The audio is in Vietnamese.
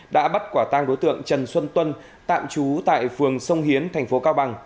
đã bắt quả tang đối tượng trần xuân tuân tạm trú tại phường sông hiến thành phố cao bằng